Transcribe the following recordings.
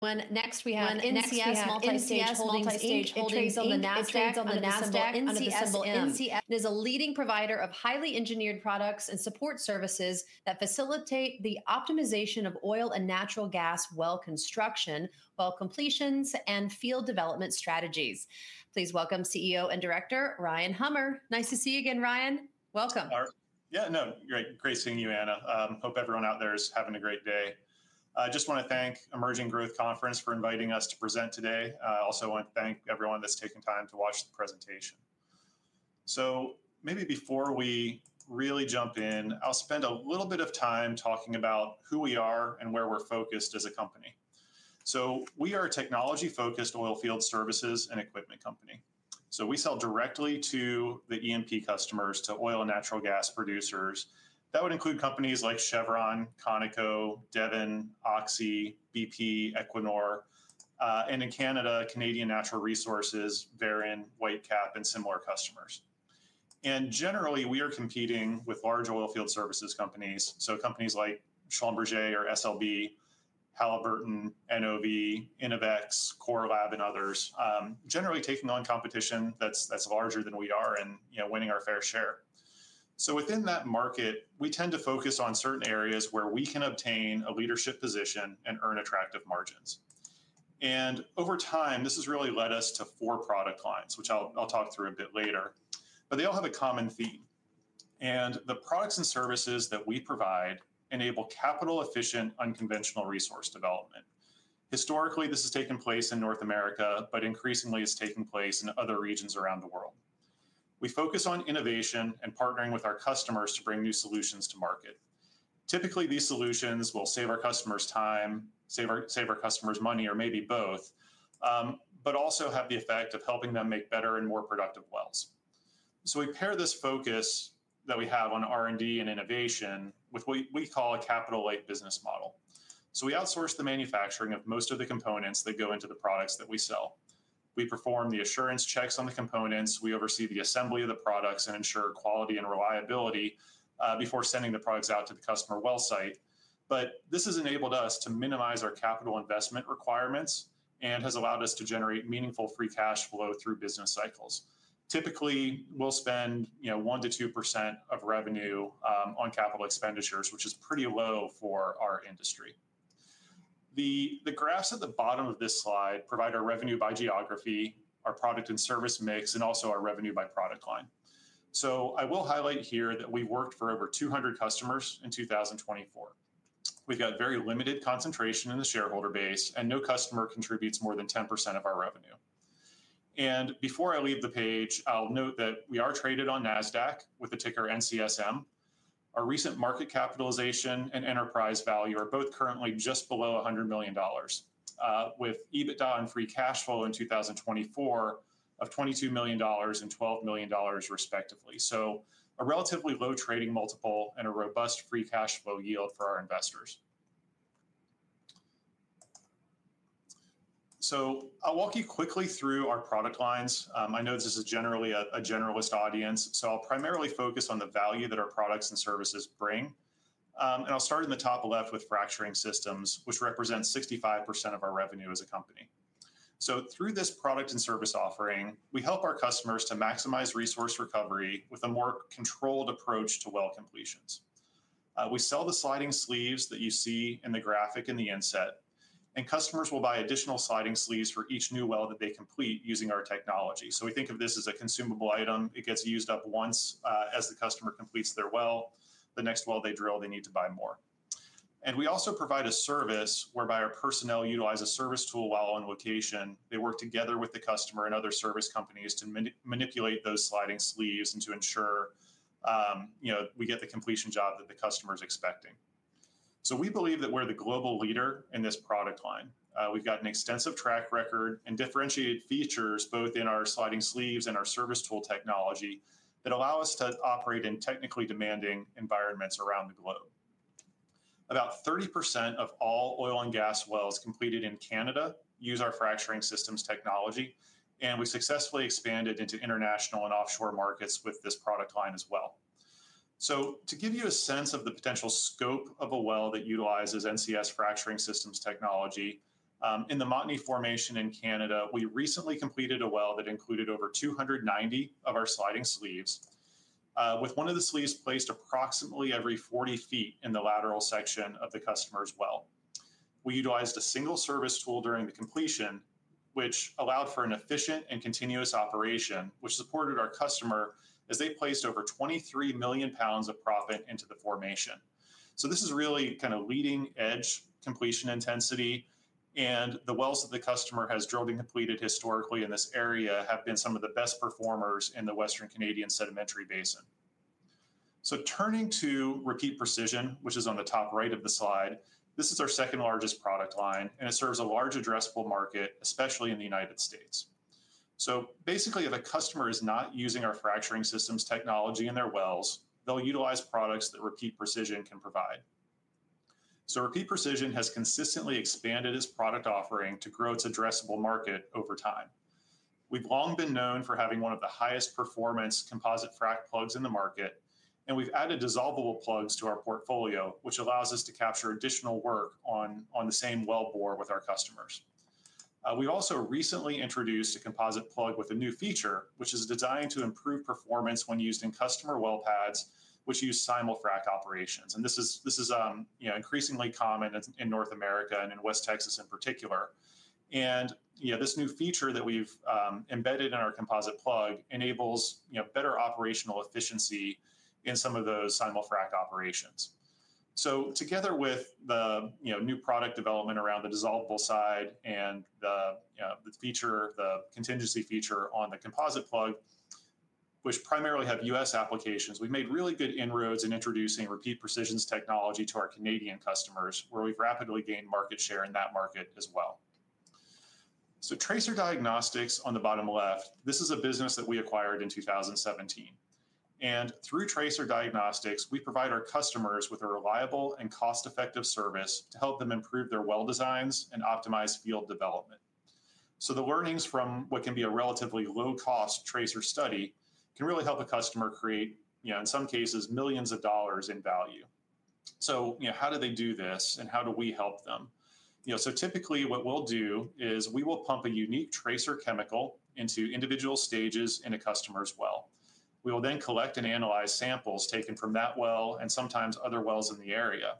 When next we have NCS Multistage Holdings Inc (NASDAQ: NCSM). It is a leading provider of highly engineered products and support services that facilitate the optimization of oil and natural gas well construction, well completions, and field development strategies. Please welcome CEO and Director Ryan Hummer. Nice to see you again, Ryan. Welcome. Yeah, no, great, great seeing you, Anna. Hope everyone out there is having a great day. I just want to thank Emerging Growth Conference for inviting us to present today. I also want to thank everyone that's taking time to watch the presentation. Maybe before we really jump in, I'll spend a little bit of time talking about who we are and where we're focused as a company. We are a technology-focused oilfield services and equipment company. We sell directly to the E&P customers, to oil and natural gas producers. That would include companies like Chevron, ConocoPhillips, Devon, Oxy, BP, Equinor, and in Canada, Canadian Natural Resources, Veren, Whitecap, and similar customers. Generally, we are competing with large oilfield services companies. Companies like Schlumberger or SLB, Halliburton, NOV, Innovex, Core Lab, and others generally taking on competition that's larger than we are and winning our fair share. Within that market, we tend to focus on certain areas where we can obtain a leadership position and earn attractive margins. Over time, this has really led us to four product lines, which I'll talk through a bit later. They all have a common theme. The products and services that we provide enable capital-efficient, unconventional resource development. Historically, this has taken place in North America, but increasingly is taking place in other regions around the world. We focus on innovation and partnering with our customers to bring new solutions to market. Typically, these solutions will save our customers time, save our customers money, or maybe both, but also have the effect of helping them make better and more productive wells. We pair this focus that we have on R&D and innovation with what we call a capital-light business model. We outsource the manufacturing of most of the components that go into the products that we sell. We perform the assurance checks on the components. We oversee the assembly of the products and ensure quality and reliability before sending the products out to the customer well site. This has enabled us to minimize our capital investment requirements and has allowed us to generate meaningful free cash flow through business cycles. Typically, we'll spend 1%-2% of revenue on capital expenditures, which is pretty low for our industry. The graphs at the bottom of this slide provide our revenue by geography, our product and service mix, and also our revenue by product line. I will highlight here that we worked for over 200 customers in 2024. We've got very limited concentration in the shareholder base, and no customer contributes more than 10% of our revenue. Before I leave the page, I'll note that we are traded on NASDAQ with the ticker NCSM. Our recent market capitalization and enterprise value are both currently just below $100 million, with EBITDA and free cash flow in 2024 of $22 million and $12 million, respectively. A relatively low trading multiple and a robust free cash flow yield for our investors. I'll walk you quickly through our product lines. I know this is generally a generalist audience. I'll primarily focus on the value that our products and services bring. I'll start in the top left with fracturing systems, which represents 65% of our revenue as a company. Through this product and service offering, we help our customers to maximize resource recovery with a more controlled approach to well completions. We sell the sliding sleeves that you see in the graphic in the inset, and customers will buy additional sliding sleeves for each new well that they complete using our technology. We think of this as a consumable item. It gets used up once as the customer completes their well. The next well they drill, they need to buy more. We also provide a service whereby our personnel utilize a service tool while on location. They work together with the customer and other service companies to manipulate those sliding sleeves and to ensure we get the completion job that the customer is expecting. We believe that we're the global leader in this product line. We've got an extensive track record and differentiated features both in our sliding sleeves and our service tool technology that allow us to operate in technically demanding environments around the globe. About 30% of all oil and gas wells completed in Canada use our fracturing systems technology, and we've successfully expanded into international and offshore markets with this product line as well. To give you a sense of the potential scope of a well that utilizes NCS fracturing systems technology, in the Montney Formation in Canada, we recently completed a well that included over 290 of our sliding sleeves, with one of the sleeves placed approximately every 40 ft in the lateral section of the customer's well. We utilized a single service tool during the completion, which allowed for an efficient and continuous operation, which supported our customer as they placed over 23 million lbs of proppant into the formation. This is really kind of leading-edge completion intensity, and the wells that the customer has drilled and completed historically in this area have been some of the best performers in the Western Canadian Sedimentary Basin. Turning to Repeat Precision, which is on the top right of the slide, this is our second largest product line, and it serves a large addressable market, especially in the United States. Basically, if a customer is not using our fracturing systems technology in their wells, they'll utilize products that Repeat Precision can provide. Repeat Precision has consistently expanded its product offering to grow its addressable market over time. We've long been known for having one of the highest performance composite frac plugs in the market, and we've added dissolvable plugs to our portfolio, which allows us to capture additional work on the same wellbore with our customers. We've also recently introduced a composite plug with a new feature, which is designed to improve performance when used in customer well pads, which use simul-frac operations. This is increasingly common in North America and in West Texas in particular. This new feature that we've embedded in our composite plug enables better operational efficiency in some of those simul-frac operations. Together with the new product development around the dissolvable side and the feature, the contingency feature on the composite plug, which primarily have U.S. applications, we've made really good inroads in introducing Repeat Precision's technology to our Canadian customers, where we've rapidly gained market share in that market as well. Tracer Diagnostics on the bottom left, this is a business that we acquired in 2017. Through Tracer Diagnostics, we provide our customers with a reliable and cost-effective service to help them improve their well designs and optimize field development. The learnings from what can be a relatively low-cost tracer study can really help a customer create, in some cases, millions of dollars in value. How do they do this, and how do we help them? Typically, what we'll do is we will pump a unique tracer chemical into individual stages in a customer's well. We will then collect and analyze samples taken from that well and sometimes other wells in the area.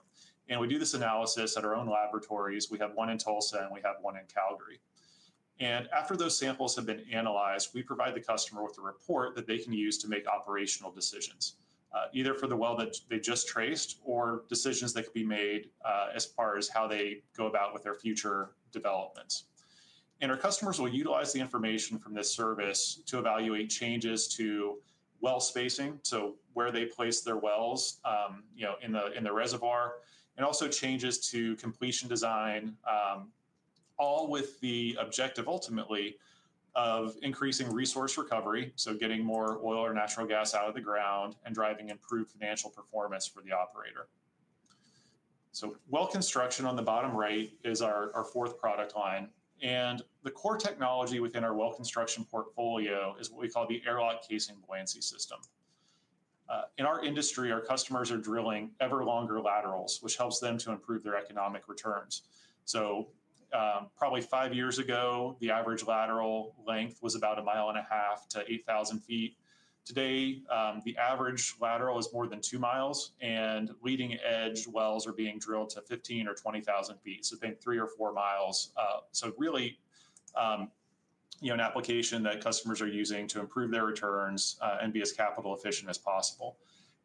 We do this analysis at our own laboratories. We have one in Tulsa, and we have one in Calgary. After those samples have been analyzed, we provide the customer with a report that they can use to make operational decisions, either for the well that they just traced or decisions that could be made as far as how they go about with their future developments. Our customers will utilize the information from this service to evaluate changes to well spacing, so where they place their wells in the reservoir, and also changes to completion design, all with the objective ultimately of increasing resource recovery, so getting more oil or natural gas out of the ground and driving improved financial performance for the operator. Well construction on the bottom right is our fourth product line. The core technology within our well construction portfolio is what we call the AirLock Casing Buoyancy System. In our industry, our customers are drilling ever longer laterals, which helps them to improve their economic returns. Probably five years ago, the average lateral length was about a mile and a half to 8,000 feet. Today, the average lateral is more than two miles, and leading edge wells are being drilled to 15,000 or 20,000 feet, so think three or four miles. Really an application that customers are using to improve their returns and be as capital efficient as possible.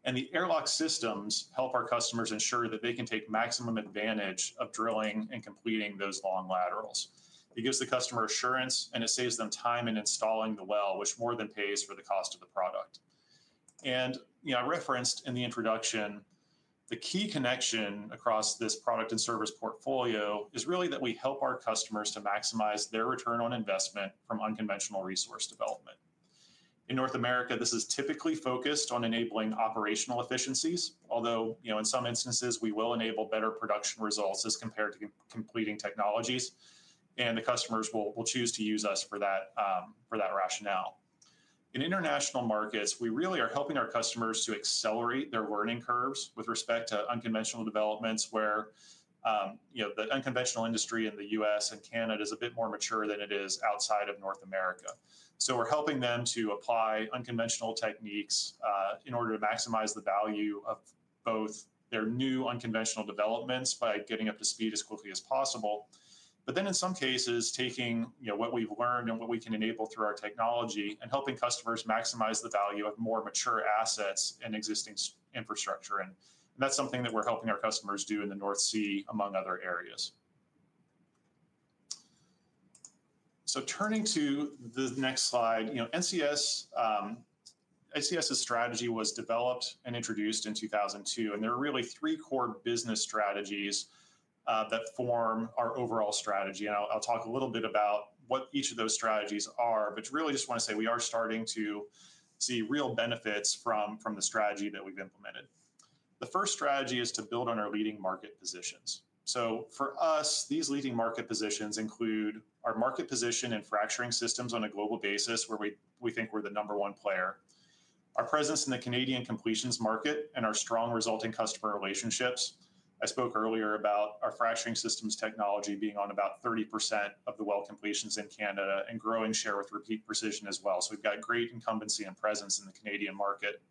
The AirLock systems help our customers ensure that they can take maximum advantage of drilling and completing those long laterals. It gives the customer assurance, and it saves them time in installing the well, which more than pays for the cost of the product. I referenced in the introduction, the key connection across this product and service portfolio is really that we help our customers to maximize their return on investment from unconventional resource development. In North America, this is typically focused on enabling operational efficiencies, although in some instances, we will enable better production results as compared to completing technologies, and the customers will choose to use us for that rationale. In international markets, we really are helping our customers to accelerate their learning curves with respect to unconventional developments where the unconventional industry in the U.S. and Canada is a bit more mature than it is outside of North America. We are helping them to apply unconventional techniques in order to maximize the value of both their new unconventional developments by getting up to speed as quickly as possible. In some cases, taking what we've learned and what we can enable through our technology and helping customers maximize the value of more mature assets and existing infrastructure. That's something that we're helping our customers do in the North Sea, among other areas. Turning to the next slide, NCS's strategy was developed and introduced in 2002, and there are really three core business strategies that form our overall strategy. I'll talk a little bit about what each of those strategies are, but really just want to say we are starting to see real benefits from the strategy that we've implemented. The first strategy is to build on our leading market positions. For us, these leading market positions include our market position in fracturing systems on a global basis, where we think we're the number one player, our presence in the Canadian completions market, and our strong resulting customer relationships. I spoke earlier about our fracturing systems technology being on about 30% of the well completions in Canada and growing share with Repeat Precision as well. We've got great incumbency and presence in the Canadian market.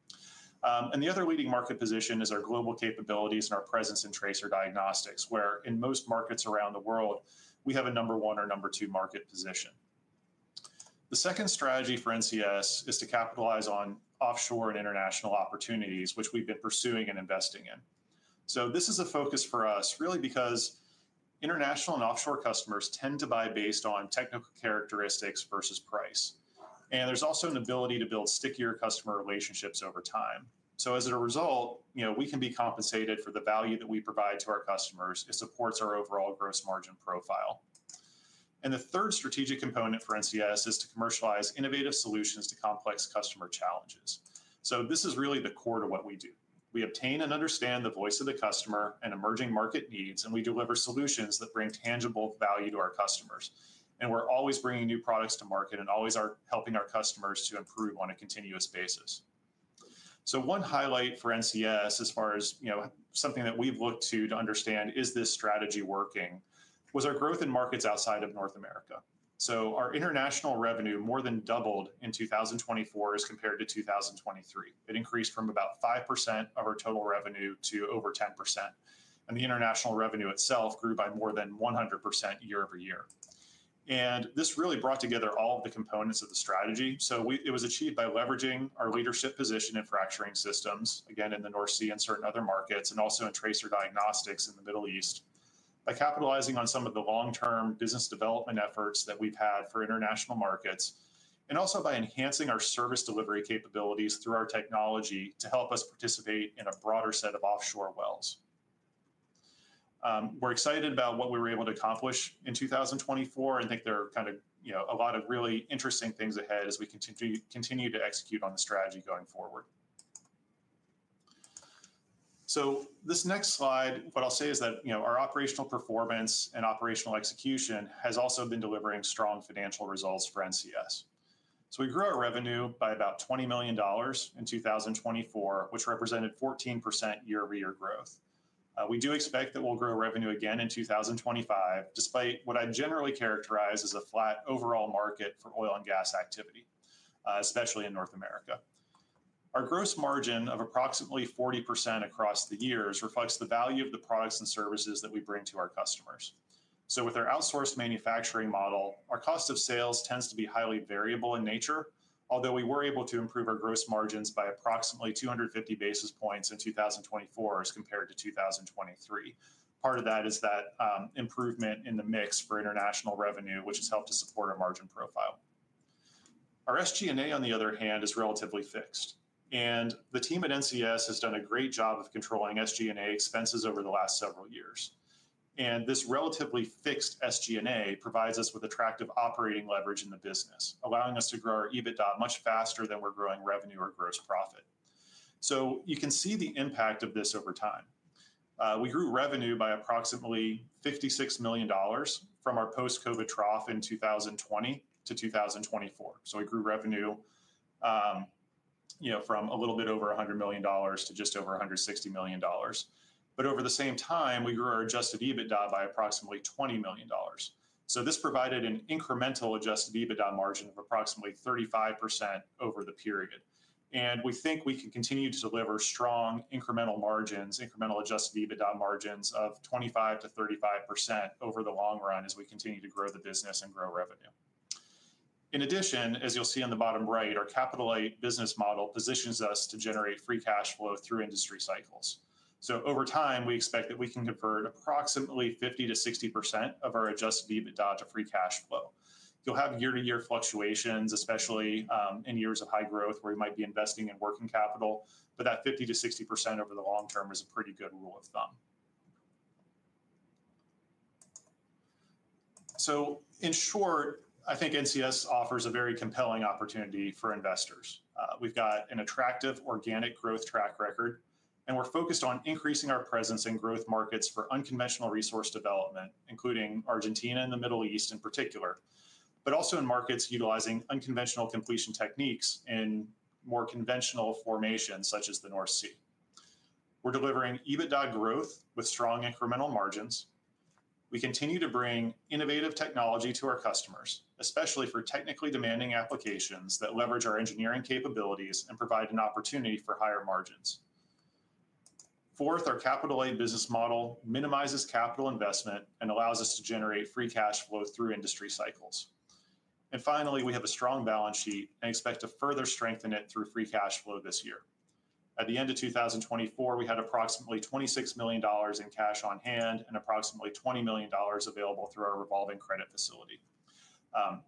The other leading market position is our global capabilities and our presence in Tracer Diagnostics, where in most markets around the world, we have a number one or number two market position. The second strategy for NCS is to capitalize on offshore and international opportunities, which we've been pursuing and investing in. This is a focus for us really because international and offshore customers tend to buy based on technical characteristics versus price. There is also an ability to build stickier customer relationships over time. As a result, we can be compensated for the value that we provide to our customers if it supports our overall gross margin profile. The third strategic component for NCS is to commercialize innovative solutions to complex customer challenges. This is really the core to what we do. We obtain and understand the voice of the customer and emerging market needs, and we deliver solutions that bring tangible value to our customers. We are always bringing new products to market and always are helping our customers to improve on a continuous basis. One highlight for NCS as far as something that we've looked to to understand is this strategy working was our growth in markets outside of North America. Our international revenue more than doubled in 2024 as compared to 2023. It increased from about 5% of our total revenue to over 10%. The international revenue itself grew by more than 100% year over year. This really brought together all of the components of the strategy. It was achieved by leveraging our leadership position in fracturing systems, again, in the North Sea and certain other markets, and also in Tracer Diagnostics in the Middle East, by capitalizing on some of the long-term business development efforts that we've had for international markets, and also by enhancing our service delivery capabilities through our technology to help us participate in a broader set of offshore wells. We're excited about what we were able to accomplish in 2024 and think there are kind of a lot of really interesting things ahead as we continue to execute on the strategy going forward. This next slide, what I'll say is that our operational performance and operational execution has also been delivering strong financial results for NCS. We grew our revenue by about $20 million in 2024, which represented 14% year-over-year growth. We do expect that we'll grow revenue again in 2025, despite what I generally characterize as a flat overall market for oil and gas activity, especially in North America. Our gross margin of approximately 40% across the years reflects the value of the products and services that we bring to our customers. With our outsourced manufacturing model, our cost of sales tends to be highly variable in nature, although we were able to improve our gross margins by approximately 250 basis points in 2024 as compared to 2023. Part of that is that improvement in the mix for international revenue, which has helped to support our margin profile. Our SG&A, on the other hand, is relatively fixed. The team at NCS has done a great job of controlling SG&A expenses over the last several years. This relatively fixed SG&A provides us with attractive operating leverage in the business, allowing us to grow our EBITDA much faster than we're growing revenue or gross profit. You can see the impact of this over time. We grew revenue by approximately $56 million from our post-COVID trough in 2020 to 2024. We grew revenue from a little bit over $100 million to just over $160 million. Over the same time, we grew our adjusted EBITDA by approximately $20 million. This provided an incremental adjusted EBITDA margin of approximately 35% over the period. We think we can continue to deliver strong incremental margins, incremental adjusted EBITDA margins of 25%-35% over the long run as we continue to grow the business and grow revenue. In addition, as you'll see on the bottom right, our capital-light business model positions us to generate free cash flow through industry cycles. Over time, we expect that we can convert approximately 50%-60% of our adjusted EBITDA to free cash flow. You'll have year-to-year fluctuations, especially in years of high growth where we might be investing in working capital, but that 50%-60% over the long term is a pretty good rule of thumb. In short, I think NCS offers a very compelling opportunity for investors. We've got an attractive organic growth track record, and we're focused on increasing our presence in growth markets for unconventional resource development, including Argentina and the Middle East in particular, but also in markets utilizing unconventional completion techniques in more conventional formations such as the North Sea. We're delivering EBITDA growth with strong incremental margins. We continue to bring innovative technology to our customers, especially for technically demanding applications that leverage our engineering capabilities and provide an opportunity for higher margins. Fourth, our capital-light business model minimizes capital investment and allows us to generate free cash flow through industry cycles. Finally, we have a strong balance sheet and expect to further strengthen it through free cash flow this year. At the end of 2024, we had approximately $26 million in cash on hand and approximately $20 million available through our revolving credit facility.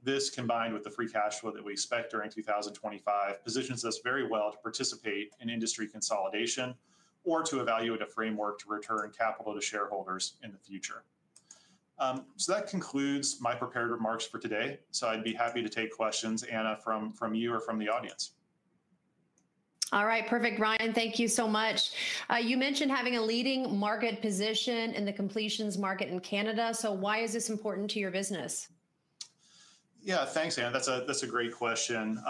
This, combined with the free cash flow that we expect during 2025, positions us very well to participate in industry consolidation or to evaluate a framework to return capital to shareholders in the future. That concludes my prepared remarks for today. I'd be happy to take questions, Anna, from you or from the audience. All right. Perfect, Ryan. Thank you so much. You mentioned having a leading market position in the completions market in Canada. Why is this important to your business? Yeah, thanks, Anna. That's a great question.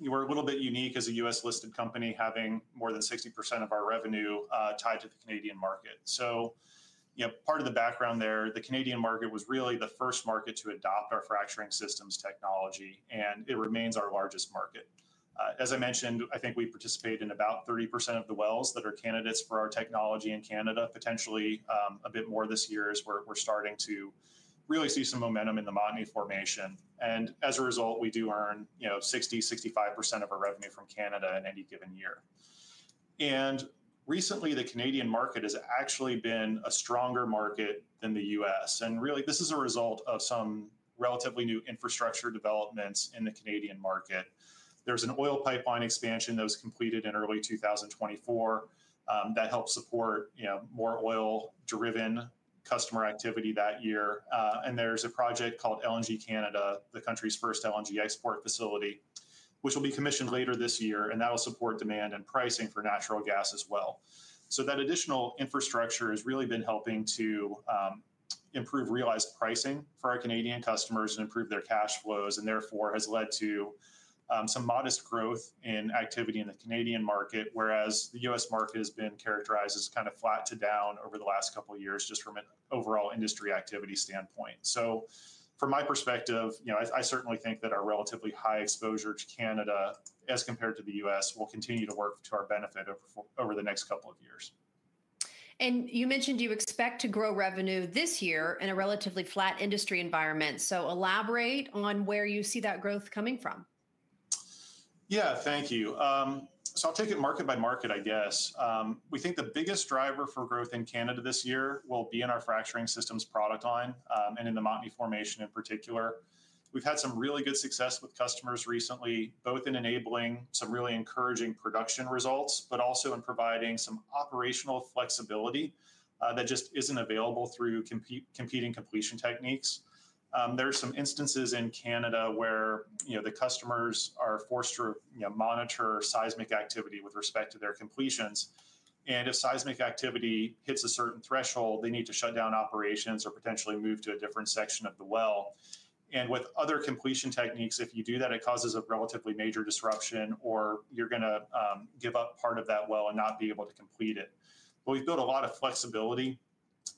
We're a little bit unique as a U.S.-listed company having more than 60% of our revenue tied to the Canadian market. Part of the background there, the Canadian market was really the first market to adopt our fracturing systems technology, and it remains our largest market. As I mentioned, I think we participate in about 30% of the wells that are candidates for our technology in Canada. Potentially a bit more this year as we're starting to really see some momentum in the Montney formation. As a result, we do earn 60%-65% of our revenue from Canada in any given year. Recently, the Canadian market has actually been a stronger market than the U.S. Really, this is a result of some relatively new infrastructure developments in the Canadian market. There's an oil pipeline expansion that was completed in early 2024 that helped support more oil-driven customer activity that year. There's a project called LNG Canada, the country's first LNG export facility, which will be commissioned later this year, and that will support demand and pricing for natural gas as well. That additional infrastructure has really been helping to improve realized pricing for our Canadian customers and improve their cash flows, and therefore has led to some modest growth in activity in the Canadian market, whereas the U.S. market has been characterized as kind of flat to down over the last couple of years just from an overall industry activity standpoint. From my perspective, I certainly think that our relatively high exposure to Canada as compared to the U.S. will continue to work to our benefit over the next couple of years. You mentioned you expect to grow revenue this year in a relatively flat industry environment. Elaborate on where you see that growth coming from. Thank you. I'll take it market by market, I guess. We think the biggest driver for growth in Canada this year will be in our fracturing systems product line and in the Montney Formation in particular. We've had some really good success with customers recently, both in enabling some really encouraging production results, but also in providing some operational flexibility that just isn't available through competing completion techniques. There are some instances in Canada where the customers are forced to monitor seismic activity with respect to their completions. If seismic activity hits a certain threshold, they need to shut down operations or potentially move to a different section of the well. With other completion techniques, if you do that, it causes a relatively major disruption or you're going to give up part of that well and not be able to complete it. We have built a lot of flexibility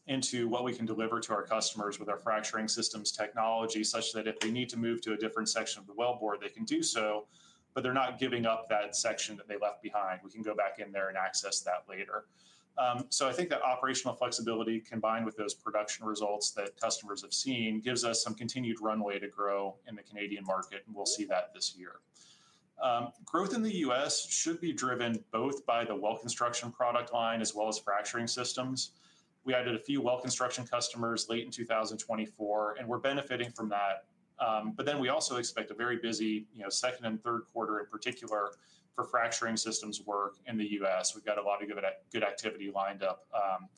into what we can deliver to our customers with our fracturing systems technology such that if they need to move to a different section of the wellbore, they can do so, but they're not giving up that section that they left behind. We can go back in there and access that later. I think that operational flexibility combined with those production results that customers have seen gives us some continued runway to grow in the Canadian market, and we'll see that this year. Growth in the U.S. should be driven both by the well construction product line as well as fracturing systems. We added a few well construction customers late in 2024, and we're benefiting from that. We also expect a very busy second and third quarter in particular for fracturing systems work in the U.S. We've got a lot of good activity lined up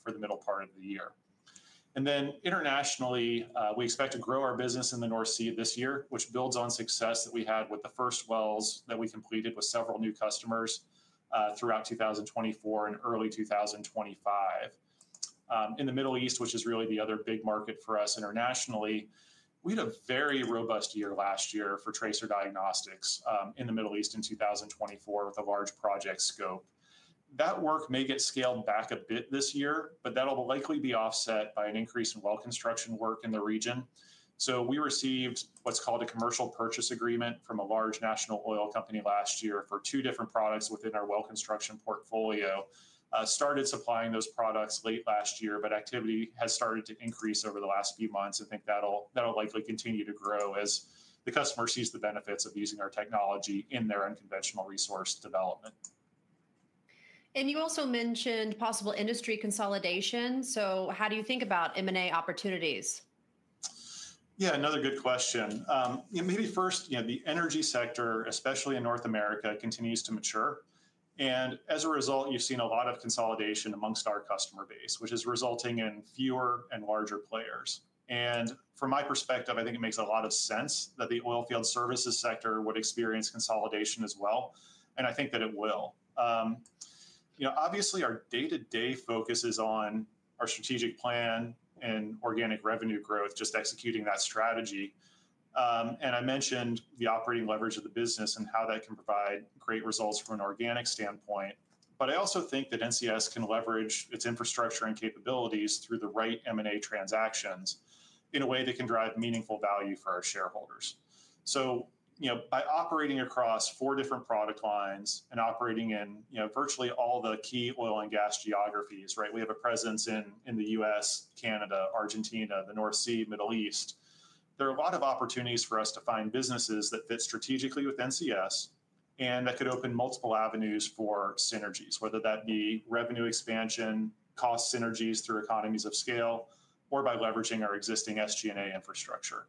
for the middle part of the year. Internationally, we expect to grow our business in the North Sea this year, which builds on success that we had with the first wells that we completed with several new customers throughout 2024 and early 2025. In the Middle East, which is really the other big market for us internationally, we had a very robust year last year for Tracer Diagnostics in the Middle East in 2024 with a large project scope. That work may get scaled back a bit this year, but that'll likely be offset by an increase in well construction work in the region. We received what's called a commercial purchase agreement from a large national oil company last year for two different products within our well construction portfolio. Started supplying those products late last year, but activity has started to increase over the last few months. I think that'll likely continue to grow as the customer sees the benefits of using our technology in their unconventional resource development. You also mentioned possible industry consolidation. How do you think about M&A opportunities? Yeah, another good question. Maybe first, the energy sector, especially in North America, continues to mature. As a result, you've seen a lot of consolidation amongst our customer base, which is resulting in fewer and larger players. From my perspective, I think it makes a lot of sense that the oil field services sector would experience consolidation as well. I think that it will. Obviously, our day-to-day focus is on our strategic plan and organic revenue growth, just executing that strategy. I mentioned the operating leverage of the business and how that can provide great results from an organic standpoint. I also think that NCS can leverage its infrastructure and capabilities through the right M&A transactions in a way that can drive meaningful value for our shareholders. By operating across four different product lines and operating in virtually all the key oil and gas geographies, we have a presence in the U.S., Canada, Argentina, the North Sea, Middle East. There are a lot of opportunities for us to find businesses that fit strategically with NCS and that could open multiple avenues for synergies, whether that be revenue expansion, cost synergies through economies of scale, or by leveraging our existing SG&A infrastructure.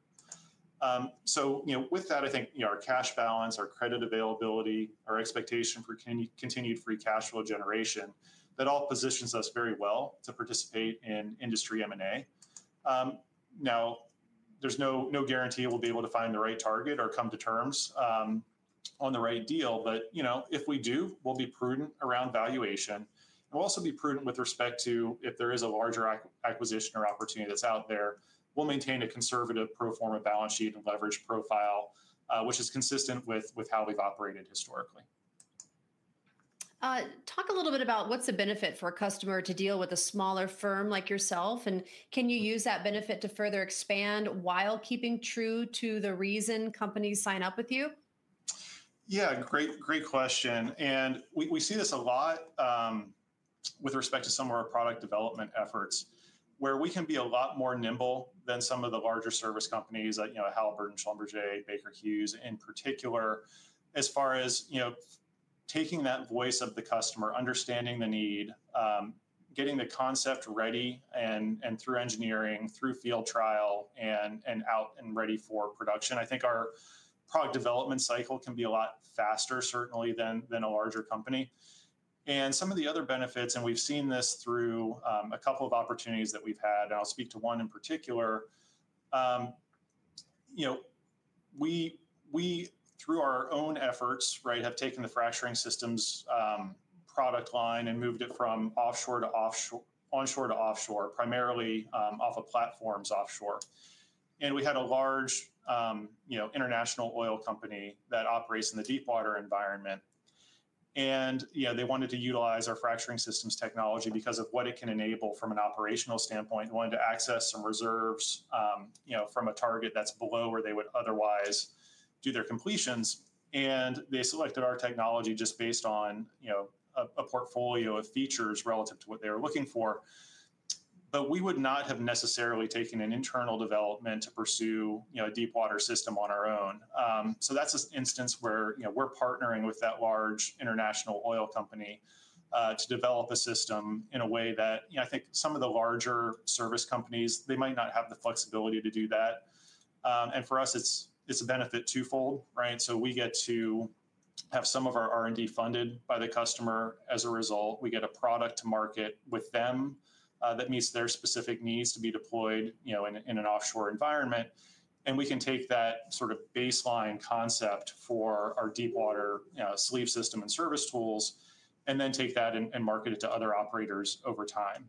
With that, I think our cash balance, our credit availability, our expectation for continued free cash flow generation, that all positions us very well to participate in industry M&A. Now, there's no guarantee we'll be able to find the right target or come to terms on the right deal. If we do, we'll be prudent around valuation. We'll also be prudent with respect to if there is a larger acquisition or opportunity that's out there. We'll maintain a conservative pro forma balance sheet and leverage profile, which is consistent with how we've operated historically. Talk a little bit about what's a benefit for a customer to deal with a smaller firm like yourself, and can you use that benefit to further expand while keeping true to the reason companies sign up with you? Yeah, great question. We see this a lot with respect to some of our product development efforts, where we can be a lot more nimble than some of the larger service companies at Halliburton, Schlumberger, Baker Hughes in particular, as far as taking that voice of the customer, understanding the need, getting the concept ready and through engineering, through field trial, and out and ready for production. I think our product development cycle can be a lot faster, certainly, than a larger company. Some of the other benefits, and we've seen this through a couple of opportunities that we've had, and I'll speak to one in particular. We, through our own efforts, have taken the fracturing systems product line and moved it from onshore to offshore, primarily off of platforms offshore. We had a large international oil company that operates in the deepwater environment. They wanted to utilize our fracturing systems technology because of what it can enable from an operational standpoint. They wanted to access some reserves from a target that is below where they would otherwise do their completions. They selected our technology just based on a portfolio of features relative to what they were looking for. We would not have necessarily taken an internal development to pursue a deepwater system on our own. That's an instance where we're partnering with that large international oil company to develop a system in a way that I think some of the larger service companies, they might not have the flexibility to do that. For us, it's a benefit twofold. We get to have some of our R&D funded by the customer. As a result, we get a product to market with them that meets their specific needs to be deployed in an offshore environment. We can take that sort of baseline concept for our deepwater sleeve system and service tools and then take that and market it to other operators over time.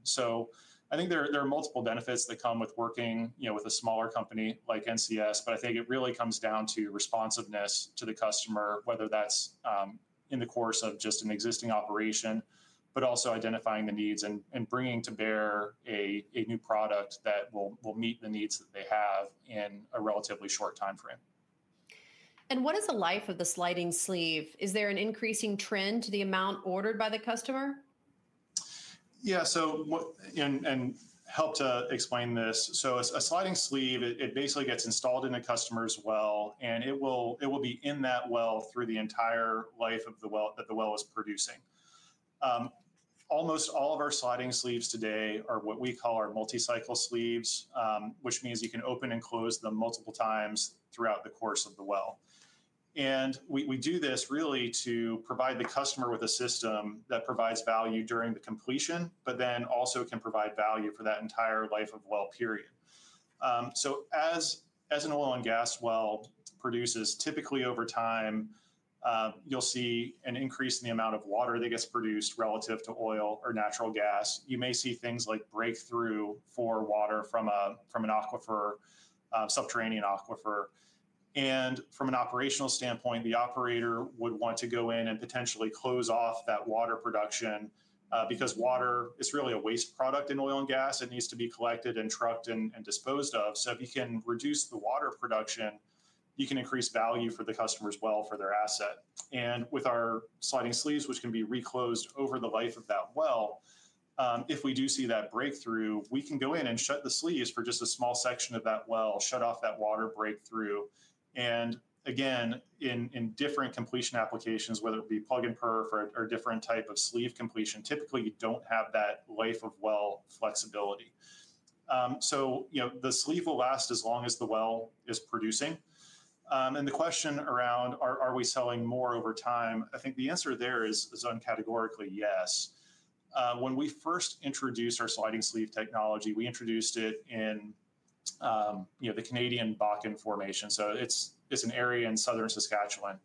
I think there are multiple benefits that come with working with a smaller company like NCS, but I think it really comes down to responsiveness to the customer, whether that's in the course of just an existing operation, but also identifying the needs and bringing to bear a new product that will meet the needs that they have in a relatively short time frame. What is the life of the sliding sleeve? Is there an increasing trend to the amount ordered by the customer? Yeah, so help to explain this. A sliding sleeve, it basically gets installed in a customer's well, and it will be in that well through the entire life of the well that the well is producing. Almost all of our sliding sleeves today are what we call our MultiCycle sleeves, which means you can open and close them multiple times throughout the course of the well. We do this really to provide the customer with a system that provides value during the completion, but then also can provide value for that entire life of the well, period. As an oil and gas well produces, typically over time, you'll see an increase in the amount of water that gets produced relative to oil or natural gas. You may see things like breakthrough for water from an aquifer, subterranean aquifer. From an operational standpoint, the operator would want to go in and potentially close off that water production because water is really a waste product in oil and gas. It needs to be collected and trucked and disposed of. If you can reduce the water production, you can increase value for the customer's well for their asset. With our sliding sleeves, which can be reclosed over the life of that well, if we do see that breakthrough, we can go in and shut the sleeves for just a small section of that well, shut off that water breakthrough. Again, in different completion applications, whether it be plug and perf or a different type of sleeve completion, typically you do not have that life of well flexibility. The sleeve will last as long as the well is producing. The question around, are we selling more over time? I think the answer there is uncategorically yes. When we first introduced our sliding sleeve technology, we introduced it in the Canadian Bakken Formation. It is an area in Southern Saskatchewan.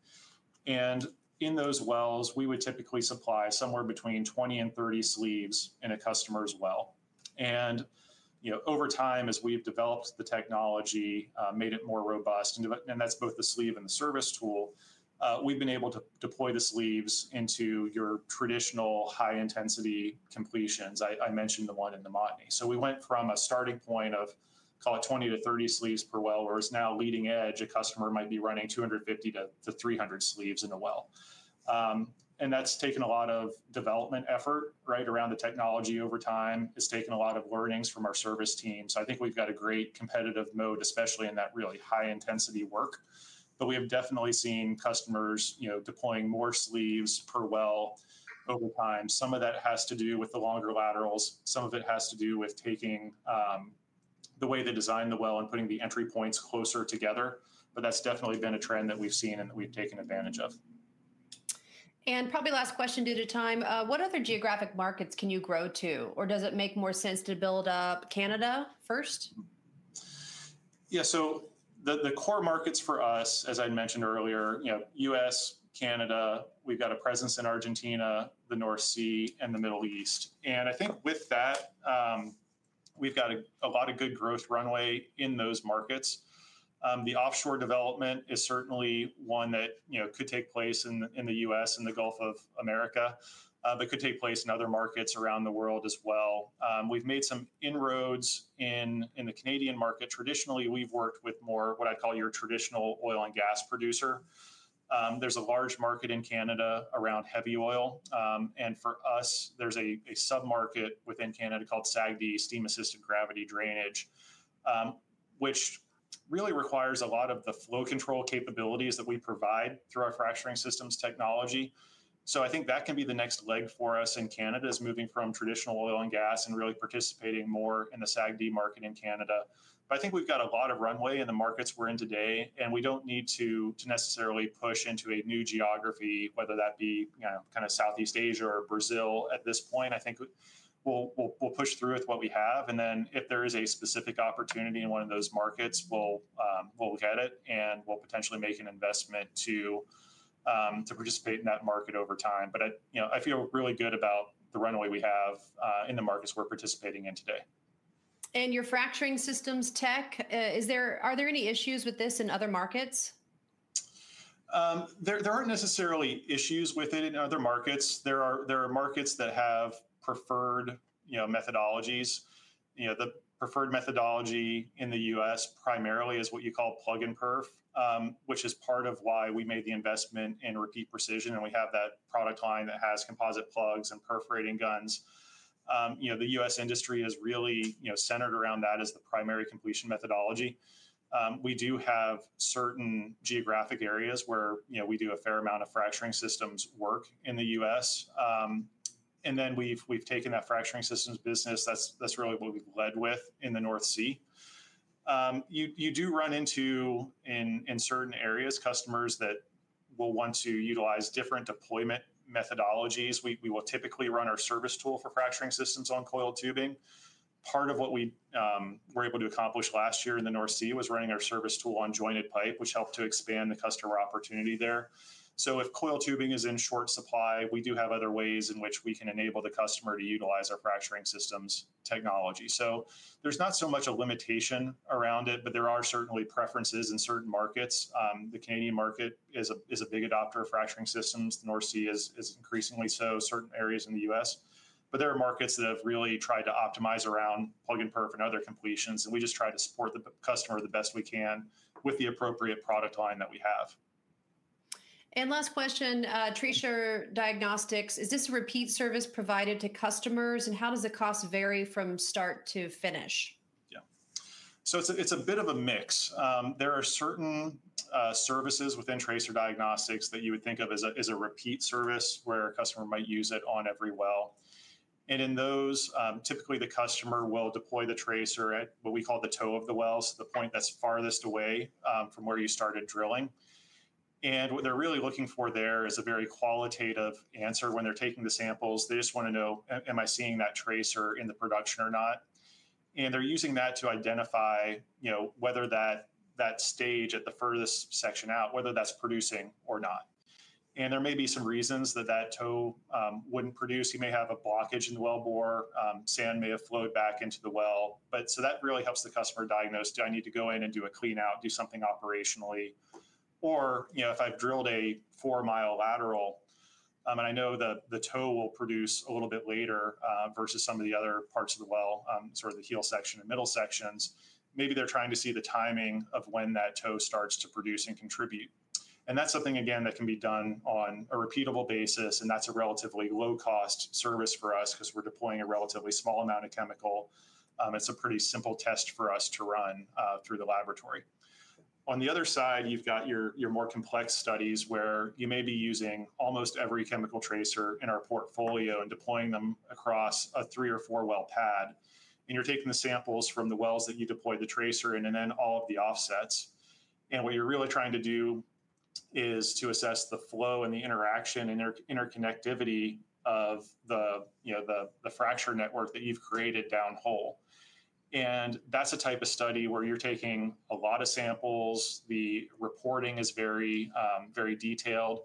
In those wells, we would typically supply somewhere between 20 and 30 sleeves in a customer's well. Over time, as we've developed the technology, made it more robust, and that's both the sleeve and the service tool, we've been able to deploy the sleeves into your traditional high-intensity completions. I mentioned the one in the Montney. We went from a starting point of, call it 20-30 sleeves per well, whereas now leading edge, a customer might be running 250-300 sleeves in a well. That has taken a lot of development effort around the technology over time. It has taken a lot of learnings from our service team. I think we've got a great competitive moat, especially in that really high-intensity work. We have definitely seen customers deploying more sleeves per well over time. Some of that has to do with the longer laterals. Some of it has to do with taking the way they design the well and putting the entry points closer together. That is definitely been a trend that we've seen and that we've taken advantage of. Probably last question due to time. What other geographic markets can you grow to? Does it make more sense to build up Canada first? Yeah, the core markets for us, as I mentioned earlier, U.S., Canada, we've got a presence in Argentina, the North Sea, and the Middle East. I think with that, we've got a lot of good growth runway in those markets. The offshore development is certainly one that could take place in the U.S. and the Gulf of Mexico, but could take place in other markets around the world as well. We've made some inroads in the Canadian market. Traditionally, we've worked with more what I'd call your traditional oil and gas producer. There's a large market in Canada around heavy oil. For us, there's a submarket within Canada called SAGD, Steam Assisted Gravity Drainage, which really requires a lot of the flow control capabilities that we provide through our fracturing systems technology. I think that can be the next leg for us in Canada is moving from traditional oil and gas and really participating more in the SAGD market in Canada. I think we've got a lot of runway in the markets we're in today, and we don't need to necessarily push into a new geography, whether that be kind of Southeast Asia or Brazil at this point. I think we'll push through with what we have. If there is a specific opportunity in one of those markets, we'll look at it and we'll potentially make an investment to participate in that market over time. I feel really good about the runway we have in the markets we're participating in today. Your fracturing systems tech, are there any issues with this in other markets? There aren't necessarily issues with it in other markets. There are markets that have preferred methodologies. The preferred methodology in the U.S. primarily is what you call plug-and-perf, which is part of why we made the investment in Repeat Precision. We have that product line that has composite plugs and perforating guns. The U.S. industry is really centered around that as the primary completion methodology. We do have certain geographic areas where we do a fair amount of fracturing systems work in the U.S. We have taken that fracturing systems business. That is really what we have led with in the North Sea. You do run into, in certain areas, customers that will want to utilize different deployment methodologies. We will typically run our service tool for fracturing systems on coiled tubing. Part of what we were able to accomplish last year in the North Sea was running our service tool on jointed pipe, which helped to expand the customer opportunity there. If coiled tubing is in short supply, we do have other ways in which we can enable the customer to utilize our fracturing systems technology. There is not so much a limitation around it, but there are certainly preferences in certain markets. The Canadian market is a big adopter of fracturing systems. The North Sea is increasingly so, certain areas in the U.S. There are markets that have really tried to optimize around plug-and-perf and other completions. We just try to support the customer the best we can with the appropriate product line that we have. Last question, Tracer Diagnostics. Is this a repeat service provided to customers? How does the cost vary from start to finish? Yeah. It is a bit of a mix. There are certain services within Tracer Diagnostics that you would think of as a repeat service where a customer might use it on every well. In those, typically the customer will deploy the tracer at what we call the toe of the well, so the point that is farthest away from where you started drilling. What they are really looking for there is a very qualitative answer when they are taking the samples. They just want to know, am I seeing that tracer in the production or not? They are using that to identify whether that stage at the furthest section out, whether that is producing or not. There may be some reasons that that toe would not produce. You may have a blockage in the wellbore. Sand may have flowed back into the well. That really helps the customer diagnose, do I need to go in and do a clean out, do something operationally? If I have drilled a four-mile lateral, and I know the toe will produce a little bit later versus some of the other parts of the well, sort of the heel section and middle sections, maybe they are trying to see the timing of when that toe starts to produce and contribute. That is something, again, that can be done on a repeatable basis. That's a relatively low-cost service for us because we're deploying a relatively small amount of chemical. It's a pretty simple test for us to run through the laboratory. On the other side, you've got your more complex studies where you may be using almost every chemical tracer in our portfolio and deploying them across a three or four-well pad. You're taking the samples from the wells that you deployed the tracer in and then all of the offsets. What you're really trying to do is to assess the flow and the interaction and interconnectivity of the fracture network that you've created down hole. That's a type of study where you're taking a lot of samples. The reporting is very detailed.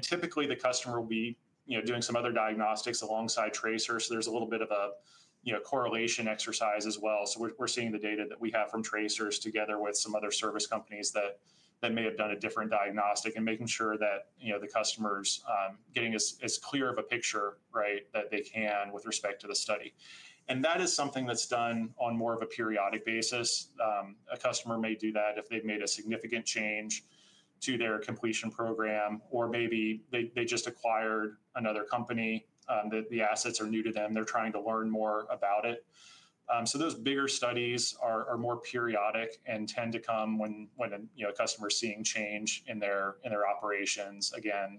Typically, the customer will be doing some other diagnostics alongside tracer, so there's a little bit of a correlation exercise as well. We're seeing the data that we have from Tracer together with some other service companies that may have done a different diagnostic and making sure that the customer's getting as clear of a picture that they can with respect to the study. That is something that's done on more of a periodic basis. A customer may do that if they've made a significant change to their completion program, or maybe they just acquired another company. The assets are new to them. They're trying to learn more about it. Those bigger studies are more periodic and tend to come when a customer is seeing change in their operations, again,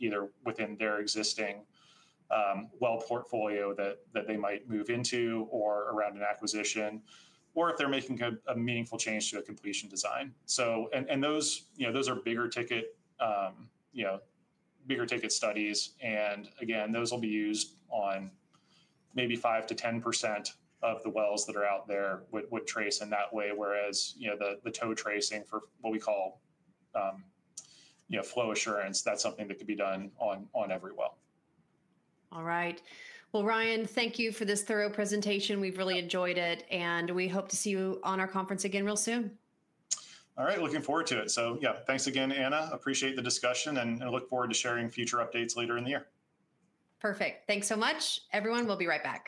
either within their existing well portfolio that they might move into or around an acquisition, or if they're making a meaningful change to a completion design. Those are bigger ticket studies. Those will be used on maybe 5%-10% of the wells that are out there with trace in that way, whereas the toe tracing for what we call flow assurance, that's something that could be done on every well. All right. Ryan, thank you for this thorough presentation. We've really enjoyed it. We hope to see you on our conference again real soon. Looking forward to it. Yeah, thanks again, Anna. Appreciate the discussion and look forward to sharing future updates later in the year. Perfect. Thanks so much, everyone. We'll be right back.